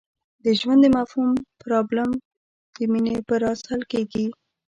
د ژوند د مفهوم پرابلم د مینې په راز حل کېږي.